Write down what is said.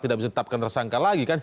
tidak bisa ditetapkan tersangka lagi kan